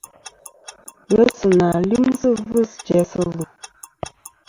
Ghesɨnà lyɨmsɨ ɨvɨs jæsɨ lù.